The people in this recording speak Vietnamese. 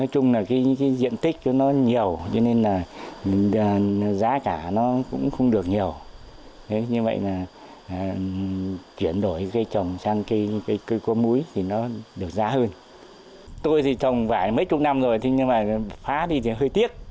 thế nhưng mà phá đi thì hơi tiếc